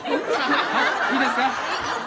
いいですか？